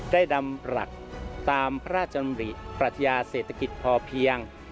ได้ดำรับตามพระราชนมริประทยาเศรษฐกิจพเพียง